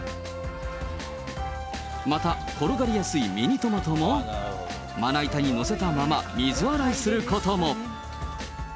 また、転がりやすいミニトマトも、まな板に載せたまま、水洗いすることも。